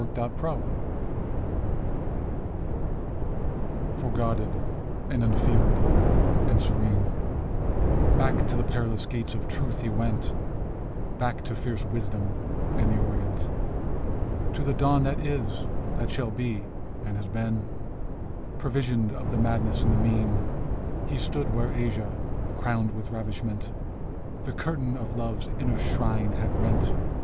'* THE SAGE FoREGUARDED and unfevered and serene, Back to the perilous gates of Truth he went — Back to fierce wisdom and the Orient, To the Dawn that is, that shall be, and has been : Previsioned of the madness and the mean He stood where Asia, crowned with ravishment. The curtain of Love's inner shrine had rent.